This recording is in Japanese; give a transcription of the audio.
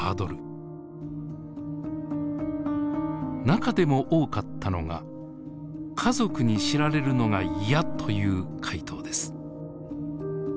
中でも多かったのが「家族に知られるのが嫌」という回答です。